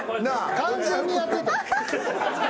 完全にやっててん。